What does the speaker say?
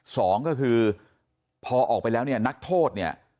สองก็คือพอออกไปแล้วเนี่ยนักโทษเนี่ย